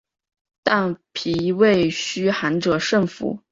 但脾胃虚寒者慎服。